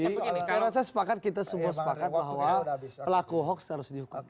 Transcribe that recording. saya rasa sepakat kita semua sepakat bahwa pelaku hoax harus dihukum